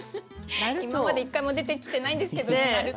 今まで一回も出てきてないんですけどねなると。